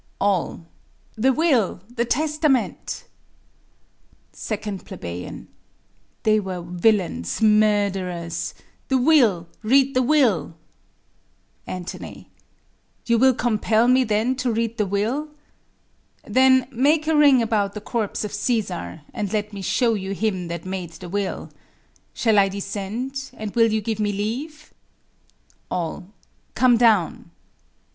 All. The will! the testament! 2 Ple. They were villains, murtherers! The will! Read the will! Ant. You will compel me then to read the will? Then, make a ring about the corpse of Cæsar, And let me shew you him that made the will. Shall I descend? And will you give me leave? All. Come down.